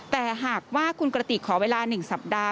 แต่หากว่าคุณกระติกขอเวลา๑สัปดาห